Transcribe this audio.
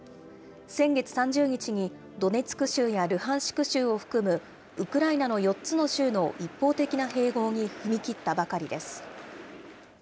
先月３０日にドネツク州やルハンシク州を含むウクライナの４つの州の一方的な併合に踏み切ったばかりです。